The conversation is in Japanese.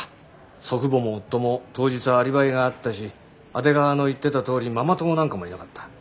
祖父母も夫も当日はアリバイがあったし阿出川の言ってたとおりママ友なんかもいなかった。